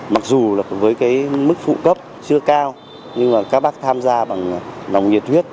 mặc dù với mức phụ cấp chưa cao nhưng các bác tham gia bằng nồng nhiệt huyết